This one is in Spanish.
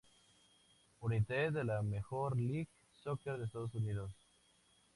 United de la Major League Soccer de Estados Unidos.